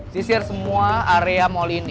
sisir semua area molinasi